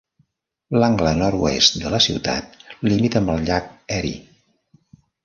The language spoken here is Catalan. L'angle nord-oest de la ciutat limita amb el llac Erie.